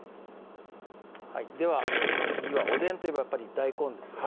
うんでは次はおでんといえばやっぱり大根ですよね